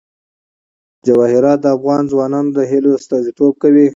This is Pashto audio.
جواهرات د افغان ځوانانو د هیلو استازیتوب کوي.